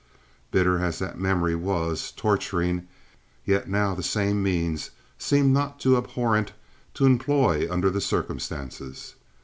Bitter as that memory was—torturing—yet now the same means seemed not too abhorrent to employ under the circumstances.